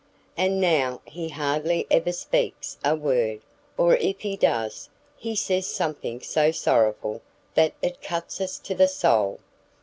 And now he hardly ever speaks a word, or if he does, he says something so sorrowful that it cuts us to the soul!